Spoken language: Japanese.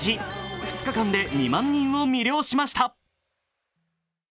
２日間で、２万人を魅了しました。